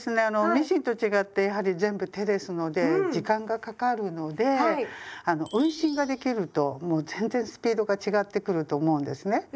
あのミシンと違ってやはり全部手ですので時間がかかるのであの運針ができるともう全然スピードが違ってくると思うんですね。